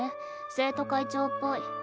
生徒会長っぽい。